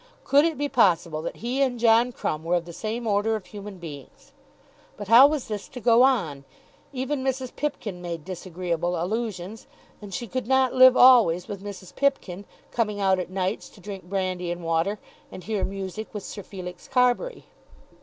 Could it be possible that he and John Crumb were of the same order of human beings? But how was this to go on? Even Mrs. Pipkin made disagreeable allusions, and she could not live always with Mrs. Pipkin, coming out at nights to drink brandy and water and hear music with Sir Felix Carbury.